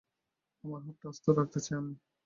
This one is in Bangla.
আমার হাতটা আস্ত রাখতে চাই আমি।